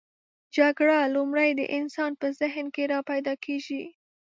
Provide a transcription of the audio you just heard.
جګړه لومړی د انسان په ذهن کې راپیداکیږي.